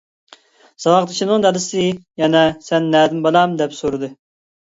ساۋاقدىشىمنىڭ دادىسى يەنە سەن نەدىن بالام دەپ سورىدى.